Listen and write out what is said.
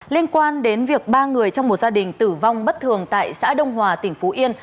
liên quan đến việc ba người trong một gia đình tử vong bất thường tại xã đông hòa tỉnh phú yên